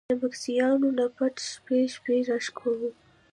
د مسکينانو نه پټ د شپې شپې را شکوو!!.